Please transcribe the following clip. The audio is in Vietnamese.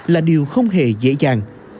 là điều không hề dễ dàng